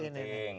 oh ya itu penting